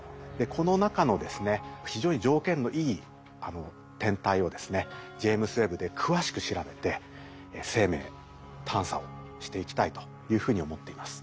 この中のですね非常に条件のいい天体をですねジェイムズ・ウェッブで詳しく調べて生命探査をしていきたいというふうに思っています。